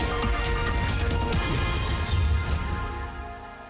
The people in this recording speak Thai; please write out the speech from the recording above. โปรดติดตามตอนต่อไป